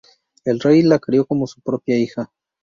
El rey la crio como su propia hija.